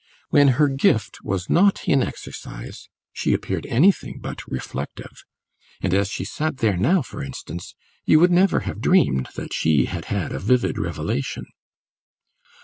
When her gift was not in exercise she appeared anything but reflective, and as she sat there now, for instance, you would never have dreamed that she had had a vivid revelation.